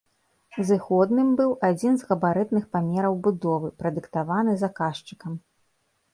Зыходным быў адзін з габарытных памераў будовы, прадыктаваны заказчыкам.